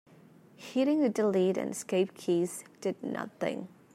Hitting the delete and escape keys did nothing.